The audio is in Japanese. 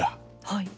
はい。